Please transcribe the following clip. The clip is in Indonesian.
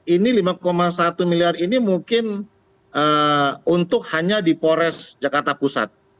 ini lima satu miliar ini mungkin untuk hanya di polres jakarta pusat